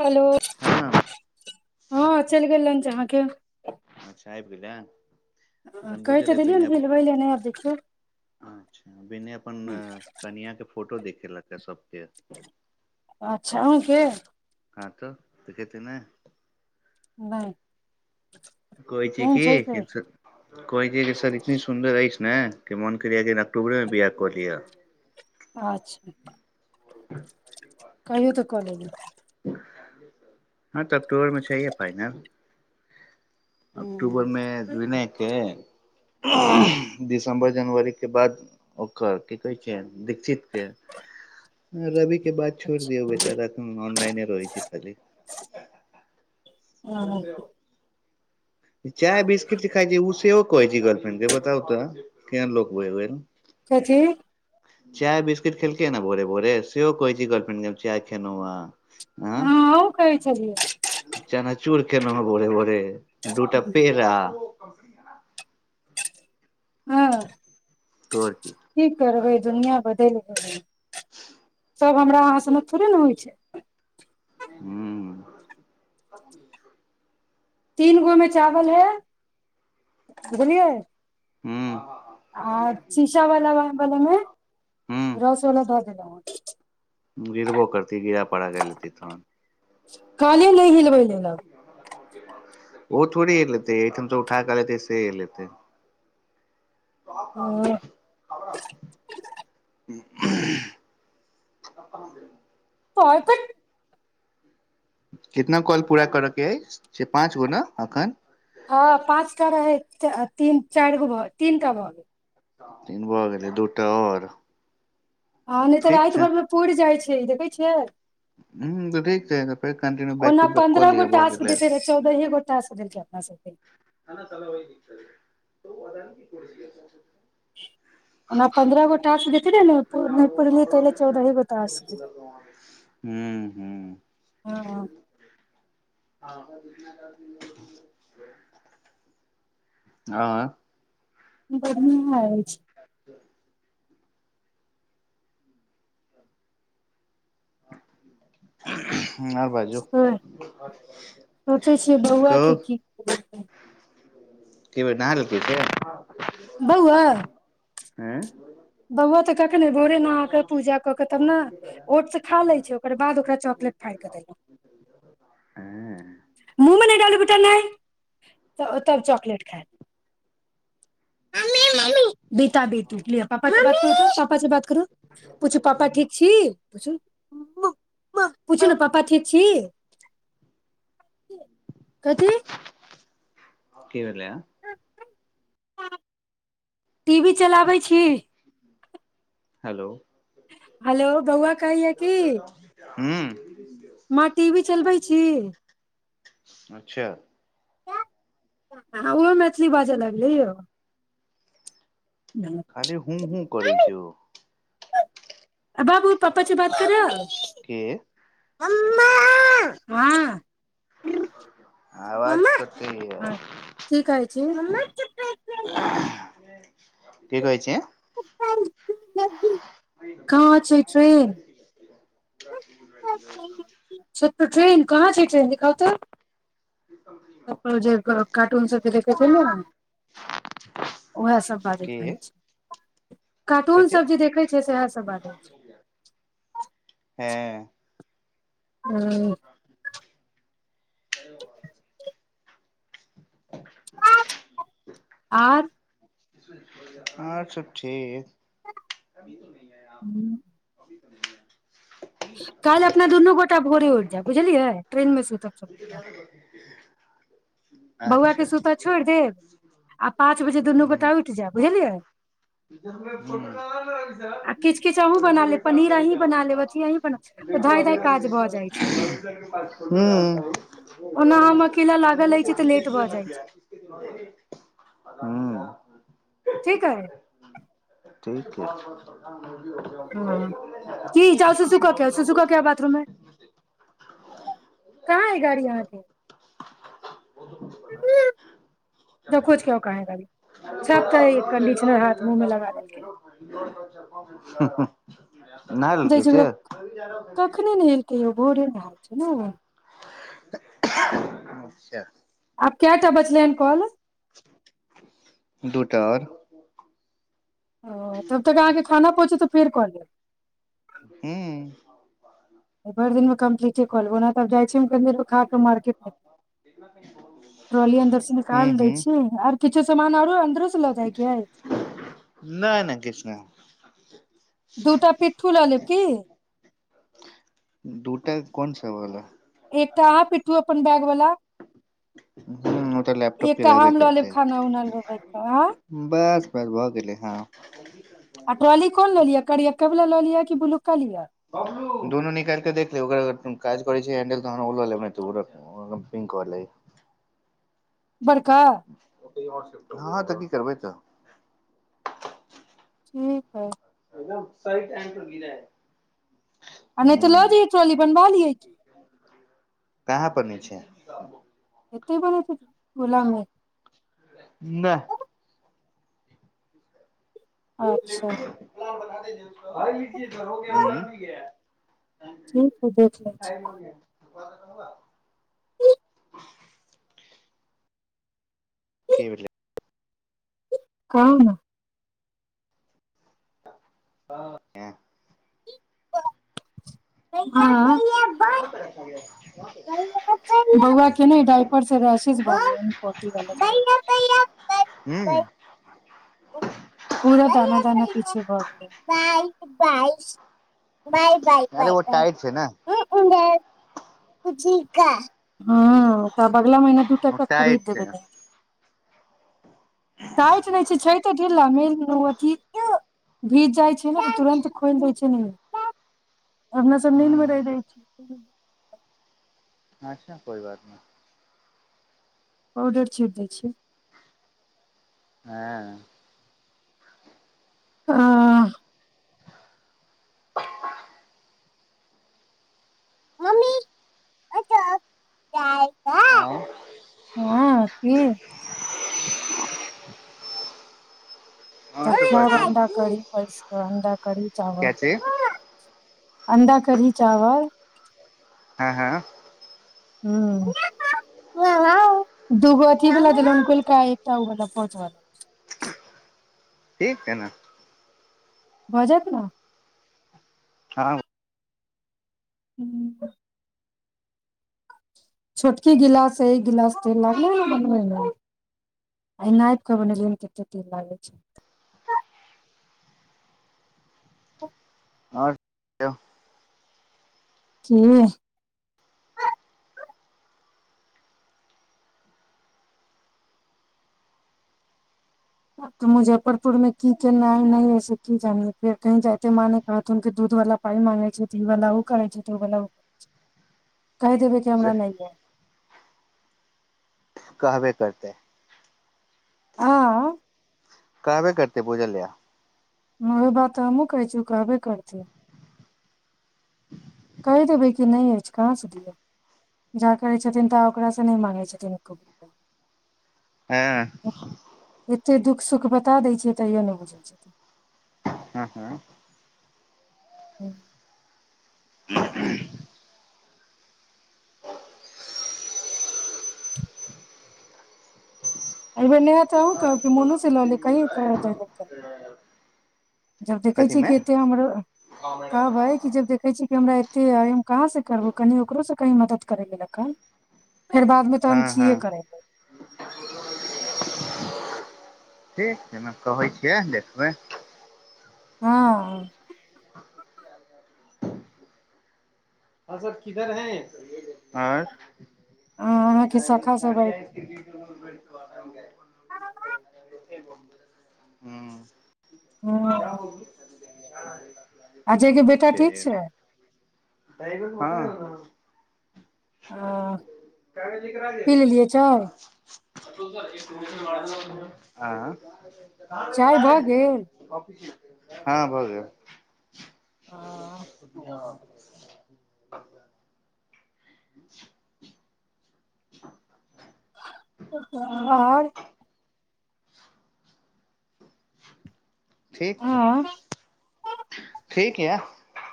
Hello हँ हँ चलि गेल लॉन्च आहाँके। अच्छा आयब गेलया। कहि बुझल तऽ या देलियै ने विनय हिलबै ले नहि आब देखियौ अच्छा विनय अपन कनिया के फोटो देख खेलक अच्छा अहूँ के हँ त देखेतै नय। नय कहय छी की कि कहै छैय कि सर इतनी सुन्दर अछि ने कि मोन करय या जेना अक्टूबरे मे बियाह कऽ लिय। अच्छा [unintelligible] कहियौ त क लेबे ला। हँ तऽ अक्टूबरमे छैयहिये पाय ने। हूँ अक्टूबरमे विनय के हूँ दिश सम्बर जनवरी के बाद ओकर की कहय छैय दीक्षितके रबि बात छोरि दियौ बेचारा ए अनलइने रहै छैय खाली। [unintelligible] चाय बिस्किट खाइ छैय उ सेहो कहै छैय गर्लफ्रेंडके से बताउ तऽ केहन लोक भेल। कथी चाय बिस्किट खेलकय न भोरे भोरे सेहो कहय छैय गर्लफ्रेंडके हम चाय खेलव ह। हँ अहु कहै छलियै केनो है भोरे भोरे दूटा पेरा [inaudible] हँ तौर की करबै दुनिया बदल गेल [inaudible] सब हमरा अहाँ सनक थोड़े ने होइ छै हूँ तीन गो में चावल है बुझलियए हूँ आ शीशा वाला बलमे हूँ रस वला ध केलो हँ गिरबो करती गिरा पड़ा के लेती तहन काले नहि हिलबै लेलक ओ थोड़े हेलेतेै एहिठम सँ उठा के लेते से हेलेते ओ [inaudible] [unintelligible] कितना कॉल पूरा करे के अछि छै पाँच गो न एखन हँ पाँचटा रहै ती चारि गो भऽ तीनटा भऽ गेल तीनगो भ गेलै दू टा आओर हँ नहि तऽ ठीक राति भरमे पूुरी जाइ छै छै देखय छियै ह तऽ ठीक छै त फेर कन्टिन्यू बैक ओना टू बैक कऽ पन्द्रह गो लिय भऽ टास्क गेलै देते रहे चौदहे गो टास्क दै छै हमरा सबके ह ने सला वहि द ब की [unintelligible] ओना पन्द्रह गो टास्क देथि रहै ने प नहि पुरलियै त एले चौदहे गो टास हूं हूं हँ हँ [unintelligible] हँ गर्मी है अछि [inaudible] [inaudible] बाजू सोचै छियै बउआ कहू के की की भेल नहा लेलकै से ऐँ बाबआ तऽ कखने भोरे नहा के पूजा क के तब ने ओट त खा लै छै ओकर बाद ओकरा चॉकलेट फाड़ के देलहु एं मुह मे नहि डाल बेटा नइ तब चॉकलेट खाय मम्मी मम्मी बेटा बेटू पापा मम्मी पापा से बात करू पूछू पापा ठीक छी पूछ ने पपा थिक छी कथी की भेल लय त टी वी चलाबैत छी हेलो हेलो बौआ कहैया की [unintelligible] हँ माँ टी वी चलबैत छी अच्छा हँ ओहो मैथिली बाजय लगलै यौ खाली हू शू करै छी ओ अ बाब पपा से बात करे के आवाज मम्मा कट य हँ की कहै छी की कहै छ कहाँ छै ट्रेन ट्रेन कहाँ छै। ट्रेन देख त कार्टून सबके देख छै। ने उएह सभ बाजैत के रहै छै। कथी कार्टूनसभ जे देखै छै। स इएहसभ बाजल छै। हँ हँ कर [unintelligible] आर अच्छा ठीक अभी त ह्म काल अपना दुनू गोटा भोरे उठ जाय बुझलियै ट्रेन मे सु [unintelligible] बौआ के अच्छा सुता छोड़ देब आ पच ह आ किछु किछु अहूँ बना लेब पनीर अहीं बना लेब अथी अहीं बना तऽ धाय धाय काज भऽ जाइ छै ओना हम अकेला लागल रहै छी तऽ लेट भऽ जाइ छै हू हँ ठीक ह ठीक य ह कि जाउ सुसु कऽ के सुसु कऽ के आउ बाथरूम मे कहाँ है गाड़ी अहाँके तऽ खोछ के आउ कहाँ है हाथ मुँह मे लगा देलकै [unintelligible] नहाय जाइ लेलकै छै से ओकरा कखने नहेलकै यौ भोरे नहाय छै ने अच्छा आब कै टा बचले हन कॉल दूटा आओर ओ तब तक अहाँके खाना पहुँचत फेर कऽ लेब हू भरि दिनमे कम्प्लीटे कऽ लेब ओना तऽ आब जाइ छी हम कनि देर खा के मार्केट मे ट्रोली अन्दर से हूँ निकाल दै हूँ छी आर किछु समान आरो अन्दरो से लऽ जायके अइ नहि नहि किछ नहि [unintelligible] दूटा पिठ्ठू लऽ लेब कि दूटा कोन से वाला एकटा अहाँ पिठ्ठू अपन बैग वला ह ओ तऽ लैपटॉप के तऽ रहबे लऽ लेब करतै खाना उना राखि कऽ आ बस बस भऽ गेलै हँ आ ट्रौली कोन लऽ लिय करियका बला लऽ लिय कि ब्लू दुनू निकालके देख लिय काज करै छै हैंडल तहन उ लऽ लेबै नहि तऽ उ पिंक बला बड़का हँ तऽ की करबै तऽ ठीक है सही टाइम पर गिरै नहि तऽ लऽ जाइयै ट्रौली बनवा लियै कहाँ बनै छै एतै बनैत टोला मे नहि अच्छा [unintelligible] [unintelligible] ठीक हइ देख लै छी सुप त कह [unintelligible] की भेलै कहु ने [inaudible] हँ कहाँ प रखा गय बौआ के ने डाइपर से रैसेस हूं [unintelligible] पूरा दाना दाना पीछे ब [unintelligible] बाय बाय अरे बाय बइ ओ टाइट छै ने ह हँ पापा अगिला महिना दू ओ टाका टाइट खरीद छै देबै नइ हेते टाइट नहि छै छइ ढा मे अथ भीज जाइ छै ने तुरन्त खोल दै छै न अपना सब नीन्द हूं मे रहि दै छै अचछा कोइ बात नहि पाउडर छीट दै छीय हँ आ मम्मी ओत दाय आँ [inaudible] आओर सब बाजू ताड करी पै [unintelligible] अडा करी क्या चिज अण्डा करी चावल हाँ ह दगो अथका एकटा पहुच [unintelligible] ठीक है ने भऽ जायत ने आहाँ हूँ छोटकी गिलास एक गिलास तेल लागल बनबैमे आ नापि कऽ बनेलियै कते तेल लागै छै [inaudible] आओर कहियो की ब तऽ मुजफ्फरपुरमे की केनाइ नहि ऐस की जानियै फेर कही जायते माँ ने कहत हुनके दूध वला पाइ मांगै छै तऽ ई वाला ओ करै छै तऽ ओ वा ओ करै छै कहि देबै कि हमरा नहि या कहबे करतै आँ कहबे करतेै बुझल लिया ओहे बात तऽ हमहूँ कहै छी कहबे करत कहि देबै कि नहि अछि कहाँसँ दियौ जा करै छथिन ता ओकरा सँ नहि माँ्गै छथिन क हँ एते दुःख सुख बता दै छियै तैयो नहि बुझै छथिन हँ ह एहि बेर न त कह मोनु से लऽ ले कही द जब देखै छियै कथीमे कि एतेक हमर कहब अइ कि जब देखै छियै कि हमरा एतेक अइ हम कहाँसँ करबहु कनि ओकरोसँ कहीँ मदति करय लेलक हन फेर बादमे तऽ हँ हम हँ छियै करय ल ऐना कहै छियै देखबै हँ आओर सब किधर है आर आ अहाँके सब अइ चड़ियइ तिी [inaudible] हुँ क्या हँ होगी अजय के [inaudible] बेटा ठीक छैहे छै हँ हाँ पी लेलियै चाय आँ कहाँ गये चाय बताय भऽ गेल नहीं कॉफी हाँ भऽ गेल हाँ हँ [inaudible] आओर ठीक छै हँ ठीक या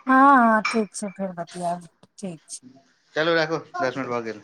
हँ हँ ठीक छै फेर बतियाब ठीक छै चलु राखु दश मिनट भऽ गेल